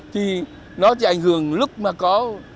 thì nó chỉ ảnh hưởng lúc mà có